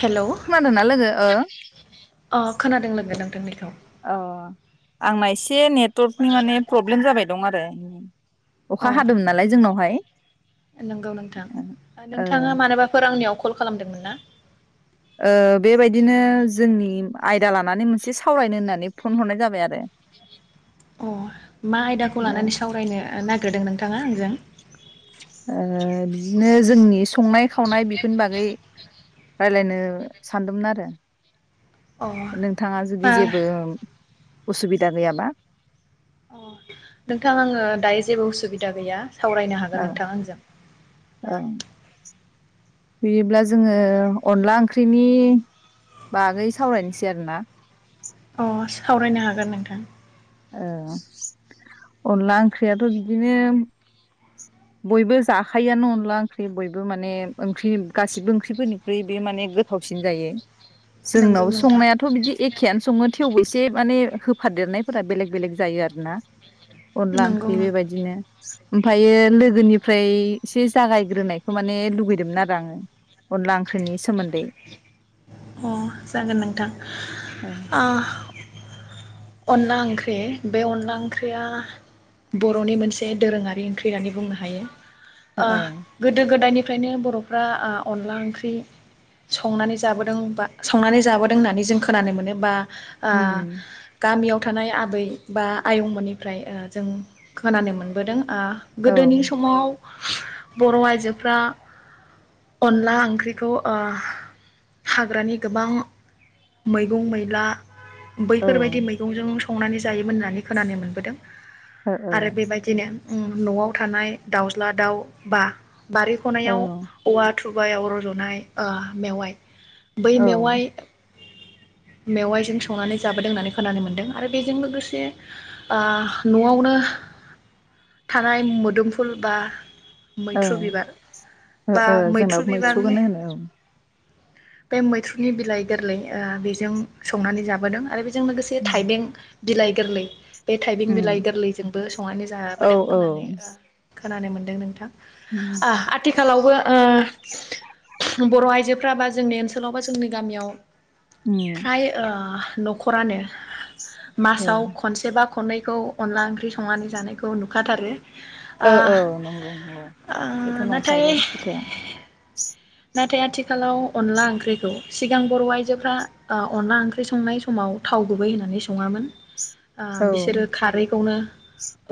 Hello खोनादोंना लोगो ओ अ खोनादों लोगो नोंथां बेखौ अ आंना एसे नेटवर्कनि माने प्रब्लेम जाबाय दं आरो अखा हादोंमोन नालाय जोंनावहाय अ नंगौ नोंथां ओ नोंथाङा मानोबाफोर आंनियाव कल खालामदोंमोन ना? ओ बेबायदिनो जोंनि आयदा लानानै मोनसे सावरायनो होननानै फन हरनाय जाबाय आरो अ मा आयदाखौ ओ लानानै सावरायनो नागिरदों नों थाङा आंजों ओ बिदिनो जोंनि संनाय खावनाय बेफोरनि बागै राज्लायनो सानदोंमोन आरो अ नोंथाङा जुदि आ जेबो असुबिदा गैयाबा अ नोंथां आङो दायो जेबो उसुबिदा गैया सावरायनो हागोन नोंथां आंजों ओं बिदिब्ला जोङो अनला ओंख्रिनि बागै सावरायनोसै आरोना अ सावरायनो हागोन नोंथां ओ अनला ओंख्रियाथ' बिदिनो बयबो जाखायोयानो अनदला ओंख्रि बयबो माने ओंख्रि गासिबो ओंख्रिफोरनिख्रुइ बे माने गोथावसिन जायो नंगौ जोंनाव नोंथां संनायाथ' बिदि एखेयानो सङो थेवबो एसे माने होफादेरनायफोरा बेलेग बेलेग जायो आरो ना अनला नंगौ ओंख्रि नोंथां बेबायदिनो ओमफायो लोगोनिफ्राय एसे जागायग्रोनायखौ माने लुगैदोंमोन आरो आङो अनला ओंख्रिनि सोमोन्दै अ जागोन नोंथां ओ ओह अनला ओंख्रि बे अनला ओंख्रिया बर'नि मोनसे दोरोङारि ओंख्रि होननानै बुंनो हायो। ओह ओ गोदो गोदायनि निफ्रायनो बर'फ्रा अनला ओंख्रि संनानै जाबोदों बा संनानै जाबोदों होननानै जों खोनानो मोनो बा आ उम गामियाव थानाय आबै बा आयंमोननिफ्राय ओ जों खोनानो मोनबोदों आह गोदोनि समाव बर' आइजोफ्रा अनला ओंख्रिखौ ओह हाग्रानि गोबां मैगं मैला बैफोरबायदि मै जों संनानै जायोमोन होननानै खोनानो मोनबोदों औ आरो बेबायदिनो उम न'आव थानाय दाउज्ला दाउ बा बारि ओ खनायाव औवा थुबाय अ रज'नाय ओ मेवाइ बै ओ औ मेवाइ मेवाइजों संनानै जाबोदों होननानै खोनानो मोन्दों आरो बेजों लोगोसे ओ न'आवनो थानाय मोदोमफुल बा औ मैथ्रु बिबार बा मैथ्रु जोंनाबो बिबारनि मैथ्रुखौनो होनो औ बे मैथ्रुनि बिलाइ गोरलै ओ बे जों संनानै जाबोदों आरो बेनि जों लोगोसे उम थाइबें बिलाइ गोरलै बे थाइबं बिलाइ उम गोरलैजोंबो संनानै औ जाबोदों औ होननानै। खोनानो मोन्दों नोंथां उम ओ आथिखालावबो ओ बर' आइजो कुख्राबा जोंनि ओनसोलाव बा जोंनि गामियाव उम थाय ओ न'खरानो मासाव खनसेबा खननैखौ अनला ओंख्रि संनानै जानायखौ नुखाथारो औ ओ औ नंगौ नंगौ ओ बेथ' नाथाय नंथारगोन खोथाया नाथाय आथिखालाव अनला ओंख्रिखौ सिगां बर' आइजोफ्रा अनला ओंख्रि संनाय समाव थाव गुबै होननानै सङामोन। औ बिसोरो खारैखौनो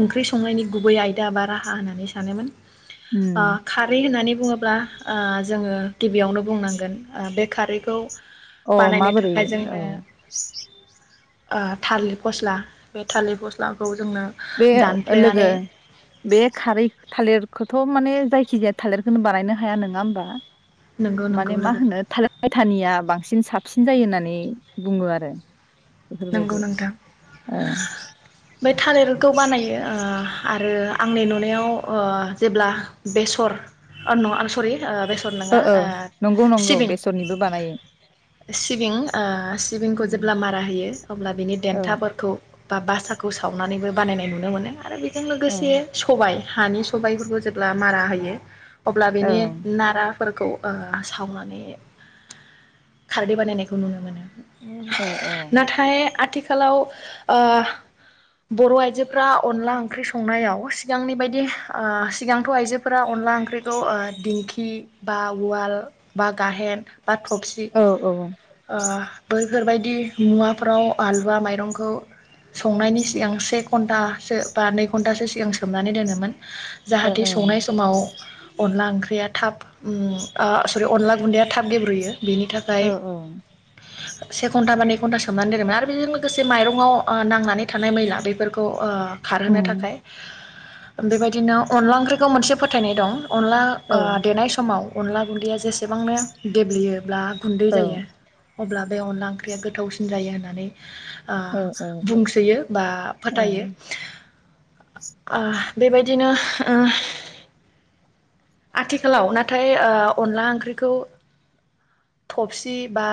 ओंख्रि संनायनि गुबै आयदा बा राहा होननानै सानोमोन ओ उम खारै होननानै बुङोब्ला ओ जोङो गिबियावनो बुंनांगोन बे खारैखौ अ बानायनो माबोरै थाखाय औ जोंनो ओ थालिर फस्ला बे थालिर फस्लाखौ जोंनो बे लोगो दानफ्लेनानै बे खारै थालिरखौथ' माने जाय खिजाया थालिरखौनो बानायनो हाया नङा होमबा? नंगौ नंगौ माने मा लोगो होनो थाय थानिया बांसिन बांसिन साबसिन जायो होननानै बुङो आरो नंगौ बेफोरबायदि नोंथां औ ओमफ्राय थालिर खौ बानायो आरो आंनि नुनायाव ओ जेब्ला बेसर ओ नङा अ सरि ओ बेसर नङा ओ ओ नंगौ नंगौ सिबिं बेसरनिबो बानायो सिबिं ओ सिबिंखौ जेब्ला मारा होयो ब्ला बिनि औ देन्थाफोरखौ बा बासाखौ सावनानैबो बानायनाय नुनो मोनो आरो बे जों औ लोगोसे सबाय हानि सबायफोरखौ जेब्ला मारा होयो अब्ला बेनि नारा फोरखौ ओ सावनानै खारदै बानायनायखौ नुनो मोनो अ औ ने आथिखालाव ओ बर'आइजोफ्रा अनला ओंख्रि संनायाव सिगांनि बायदि ओ सिगांथ' आइजोफोरा अनला ओंख्रिखौ ओ दिंखि बा उवाल बा गाहेन बा थबसि औ ओ ओ ओ बो फोरबायदि मुवा फ्राव आलुवा माइरंखौ संनायनि सिगां से घन्टासो बा नै घन्टासो सिगां सोमनानै दोनोमोन। जाहाथे संनाय समाव अनला ओंख्रि या थाब उम आ सरि अनला गुन्दैया थाब गेब्रुयो। बिनि थाखाय औ से घन्टा बा नै घन्टासो सोमनानै दोनोमोन आरो बेजों लोगोसे माइरंआव ओ नांनानै थानाय मैला बैफोरखौ ओ खारहोनो उम थाखाय बेबायदिनो अनला ओंख्रिखौ मोनसे फोथायनाय दं अनला औ ओ देनाय समाव अनला गुन्दैया जेसेबांनो गेब्लेयो ब्ला गुैन्दै जायो अब्ला बे अनला ओंख्रिया गोथावसि जायो होननानै ओ औ बुंसोयो बा ओं फोथायो ओह बेबायदिनो ओ आथिखालाव नाथाय ओ अनला ओंख्रिखौ थबसि बा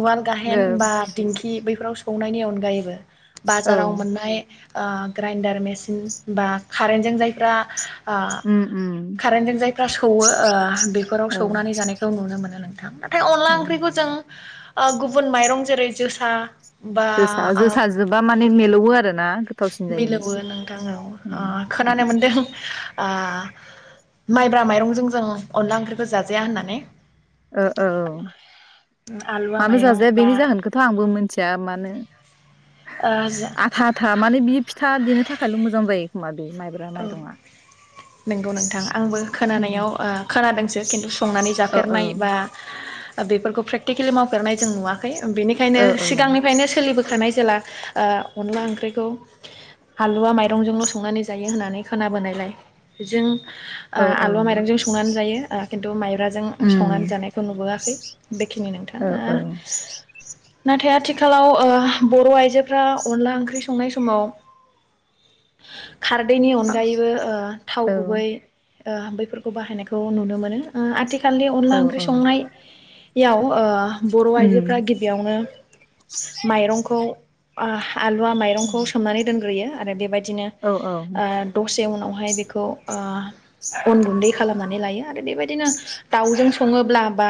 उवाल गाहेन औ बा दिंखि बै फोराव सौनायनि अनगायैबो औ बाजाराव मोननाय ओ ग्राइन्डार मेसिन बा कारेन्जों जायफ्रा ओ उम उम कारेन्टजों जायफ्रा सौवो ओ बेफोराव औ सौनानै जानायखौ नुनो मोनो नों [unintelligible] फ्राय अनला औ ओंख्रिखौ जों ओ गुबुन माइरं जेरै जोसा बा जोसा ओ जोसाजोबा माने मिलौवो आरोना गोथावसिन जायो मिलौवो आ माइब्रा माइरंजों जों अनला ओंख्रिखौ जाजाया होननानै ओ ओ औ आलुवा मानो माइरं जाजाया बा बेनि जाहोनखौथ' आंबो मिथिया मानो ओ जा आथा आथा माने बियो फिथा देनो थाखायल' मोजां जायो [unintelligible] औ माइरङा नंगौ नोंथां आंबो खोनानायाव खोनादों सो खिन्थु संनानै औ जाफेरनाय बा बेफोरखौ प्रेक प्रेक्टिकेलि मावफेरनाय जों नुवाखै बेनिखायनो औ सिगांनिफ्रायनो सोलिबोखानाय जेला ओ अनला ओंख्रिखौ आलुवा माइरंजोंल संनानै जा जायो होननानै खोनाबोनायलाय जों आ औ औ आलुवा माइरंजों संनानै जायो खिन्थु माइबाजों संनानै उम जानायखौ नुबोआखै बेखिनि औ नोंथाङा औ नाथाय आथिखालाव ओ बर' आइजोफ्रा अनला ओंख्रि संनाय समाव खारदैनि अनगायैबो ओ थाव गुबै ओ बैफोरखौ बाहायनायखौ नुनो मोनो ओ आथिखाल आथि खालि औ अनला ओंख्रि औ संनायाव ओ बर' आइजोफ्रा उम गिबियावनो माइरंखौ अ आलुवा माइरंखौ सोमनानै दोनग्रोयो आरो बेबायदिनो ओ औ दसे उनावहाय बेखौ ओ अन गुन्दै खालामनानै लायो आरो बेबायदिनो दाउजों सङोब्ला बा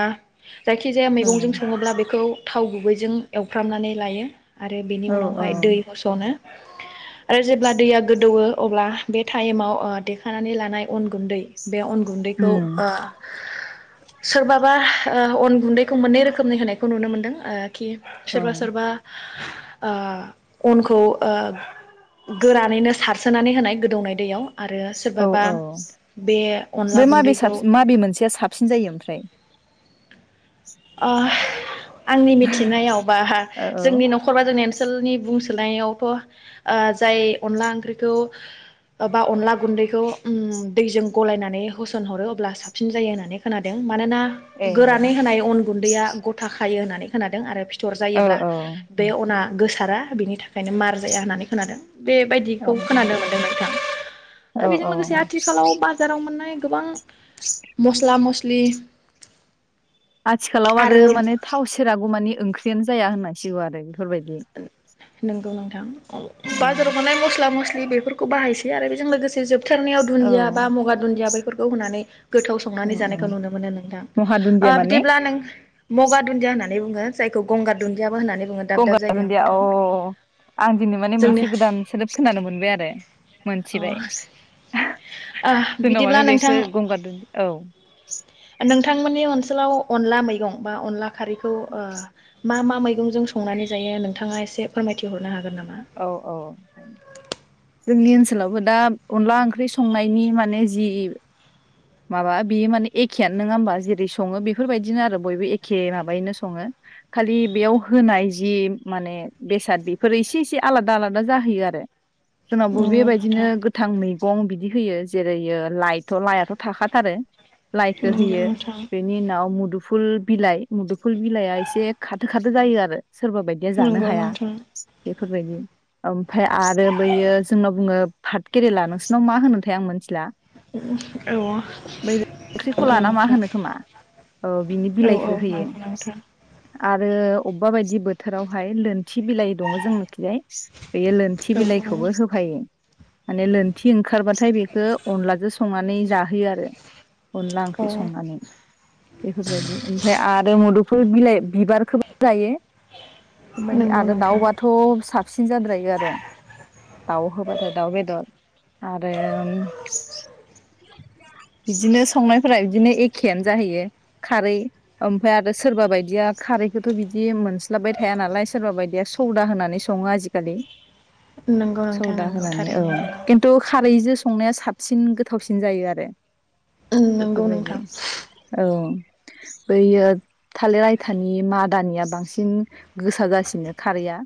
जायखिजाया मैगंजों सङोब्ला बेखौ थाव गुबैजों एवफ्रामनानै लायो आरो बेनि औ औ उनावहाय दै होस'नो आरो जेब्ला दैया गोदौवो अब्ला बे टाइमाव अ देखानानै लानाय अन गुन्दै बे अन गुन्दैखौ उम ओ सोरबाबा अन गुन्दैखौ मोननै रोखोमनि होनायखौ नुनो मोनदों कि औ सोरबा सोरबा ओ अनखौ ओ गोरानैनो सारसोनानै होनाय गोदौनाय दैयाव आरो औ सोरबाबा औ बे अनला ब माबे गुन्दैखौ साबसि माबे मोनसेया साबसिन जायो ओमफ्राय [inaudible] आंनि मिथिनायाव बाहा औ जोंनि न'खर बा जोंनि ओनसोलनि बुंसो सोलनायावथ' जाय अनला ओंख्रिखौ बा अनला गुन्दैखौ उम दैजों गलायनानै होसन हरो अब्ला साबसिन जायो होननानै खोनादों मानोना ए गोरानै होनाय अन गैया गथा खायो होननानै खोनादों आरो फि फिथर औ जायोब्ला बे अना गोसारा बिनि थाखायनो मार जाया होननानै खोनादों औ बेबायदिखौ खोनानो मोन्दों नोंथां आरो बेजों औ लोगोसे औ आथिखालाव बाजाराव मोननाय गोबां मस्ला मसलि नि आथिखालाव आरो माने थाव सेरागौ मानि ओंख्रि नो जाया होनांसिगौ आरो फोरबायदि नंगौ नोंथां ओ बाजाराव मोननाय मसला मसलि बेफोरखौ बाहायसै आरो बेजों लोगोसे जे जोबथारनायाव औ दुन्दिया बा मगा दुन्दिया बेफोरखौ होननानै गोथाव संनानै औ जानायखौ नुनो मोनो नोंथां महा दुन्दिया ओ माने बिदिब्ला नों मगा दुन्दिया होननानै होननानै बुङो जायखौ गंगार दुन्दियाबो होननानै बुङो दाब दाब गंगार जायगायाव दुनदिया अ नोंथां आं दिनै माने जोंनि मोनसे गोदान सोदोब खोनानो मोनबाय आरो अ मोनथिबाय ओ जोंनाव बिदिब्ला माने बेसो नोंथां गंगार दुन्दिया औ नोंथांमोननि ओनसोल लाव अनला मैगं बा अनला खारैखौ ओ मा मा मै मैगंजों संनानै जायो नोंथाङा एसे फोरमायथिहर औ औ जोंनि ओनसोलावबो दा अनला ओंख्रि संनायनि माने जि माबा बियो माने एखेयानो नङा होमबा जेरै सङो बेफोरबायदिनो आरो बयबो एखे माबायैनो सङो खालि बेयाव होनाय जि माने बेसाद बेफोरो एसे एसे आलादा आलादा जाहैयो आरो जोंनावबो नंगौ बेबायदिनो नोंथां गोथांयै गं बिदि होयो जेरैयो लाइट थ' लायाथ' खाथारो लाइखौ नंगौ होयो नोंथां बेनि उनाव मु मुदुफुल बिलाइ मुदुफुल बिलाइआ एसे खाथो खाथो जायो आरो सोरबा बायदिया जानो नंगौ हाया नोंथां बे बेफोरबायदि ओमफ्राय आरो बैयो जोंनाव बुङो पाट केरेला नोंसोरनाव मा होनोथाय आं मिथिला। औ बै ओंख्रिखौ नंगौ लाना मा नोंथां होनो खोमा औ बिनि औ औ बिलाइखौ होयो। नंगौ नोंथां आरो अबेबा बायदि बोथोरावहाय लोन थि बिलाइ दङ जोंनोखजाय बेयो लोनथि औ बिलाइखौबो होफायो माने लोनथि ओं खारबाथाय बेखो अनलाजो स संनानै जा हैयो आरो अनला औ ओंख्रि संनानै बेफोरबायदि ओमफ्राय आरो मुदु बे बिलाइ बिबारखौबो जायो। उनालि नंगौ आरो नोंथां दाउबाथ' साबसिन जाद्रायो आरो दाउ होबा फाय दाउ बेदर आरो उम बिदिनो संनायफोरा बिदिनो एखेयानो जाहैयो खारै ओमफ्राय आरो सोरबा बायदिया खारैखौथ' बिदि मोनस्लाबबाय थाया नालाय सोरबा बायदिया सौदा होनानै सङो आजिखालि नंगौ नोंथां सौदा नंगौ होनानै औ थारैनो खिन्थु खारैजों संनाया साबसिन गोथावसिन जायो आरो। रो नंगौ नंगौ बेफोरबायदि नोंथां औ बैयो थालिर आयथानि मादानिया बांसिन गोसा जासिनो खारैया।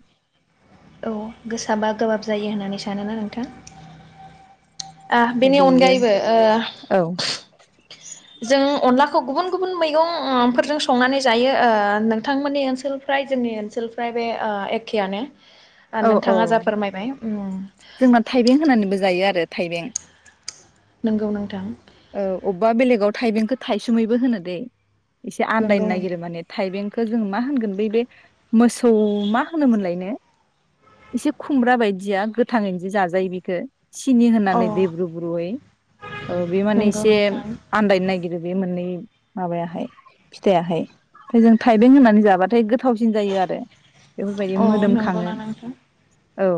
औ गोसाबा गोबाब जायो होननानै सानो ना नोंथां? बेनि बेयो अनगायैबो औ जों अनलाखौ गुबुन गुबुन मैगं फोरफोरजों संनानै जायो ओ नोंथांमोननि ओनसोलफ्राय जोंनि ओनसोलफ्राय बे एखेआनो औ औ उम जोंना थाइबें होनानैबो जायो आरो थाइबें नंगौ नोंथां औ अबेबा बेलेगाव थाइबेंखौ थाइसुमैबो होनो दैे एसे आनदायनो नंगौ नागिरो नोंथां माने थाइबें खो जोंङो मा होनगोन बै बे मोसौ मा होनोमोनलायनो? एसे खुमब्रा बायदिया गोथाङैनो जे जाजायो बेखो। सिनि अ होनानै दै ब्रुब्रुयै माने नंगौ एसे नोंथां आन्दायनो नागिरो बे माबा याहाय फिथाइयाहाय ओमफ्राय जों थाइबें होनानै जाबाथाय गोथावसिन जायो आरो बेफोरबायदि अ मोदोमखाङो नंगौना नोंथां औ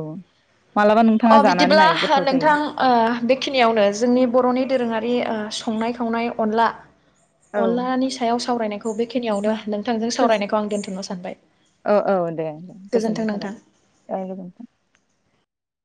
मालाबा अ नोंथाङा जानानै बिदिब्ला नाय ओ गोथाव जायो नोंथां ओ बेखिनियावनो जोंनि बर'नि दोरोङारि ओ संनाय खावनाय अनला औ अनलानि सायाव सा सावरायनायखौ बेखिनियावनो नोंथांजों सावरायनायखौ [unintelligible] आं दोन्थ'नो सानबाय औ औ दे दे गोजोननाय गोजोन्थों थाबाय नोंथां दे गोजोनथों